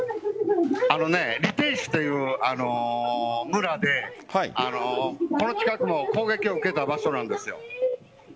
リューティジュという村でこの近くも攻撃を受けた場所なんです。